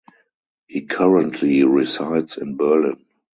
He currently resides in Berlin.